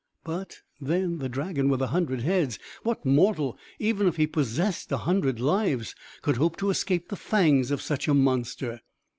But, then, the dragon with a hundred heads! What mortal, even if he possessed a hundred lives, could hope to escape the fangs of such a monster?